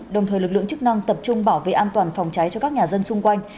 đồng thời lực lượng chức năng tập trung bảo vệ an toàn phòng cháy cho các nhà dân xung quanh